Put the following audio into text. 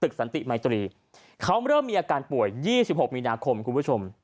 เขาเริ่มมีอาการป่วย๒๖มีนาคมคุณผู้ชม